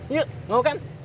yuk mau kan